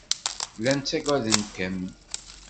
Llan ttaggaden-kem.